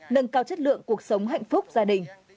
nâng cao chất lượng cuộc sống hạnh phúc gia đình